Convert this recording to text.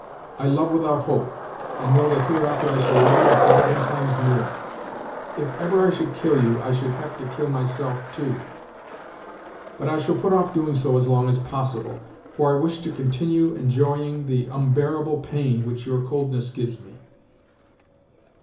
I love without hope, and know that hereafter I shall love you a thousand times more. If ever I should kill you I should have to kill myself too. But I shall put off doing so as long as possible, for I wish to continue enjoying the unbearable pain which your coldness gives me.